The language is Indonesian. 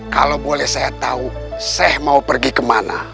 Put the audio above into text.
kalau boleh saya tahu sheikh mau pergi kemana